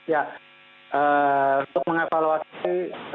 ya untuk mengevaluasi